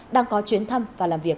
đang có chuyến thăm và làm việc